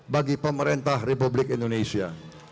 bagi pemerintah republik indonesia